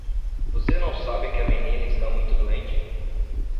Você não sabe que a menina está muito doente?